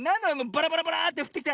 バラバラバラーッてふってきたの。